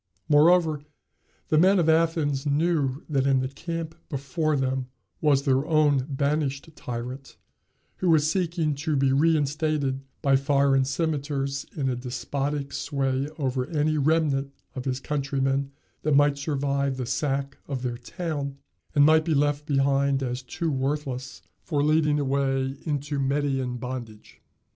Moreover, the men of Athens knew that in the camp before them was their own banished tyrant, who was seeking to be reinstated by foreign cimeters in despotic sway over any remnant of his countrymen that might survive the sack of their town, and might be left behind as too worthless for leading away into Median bondage.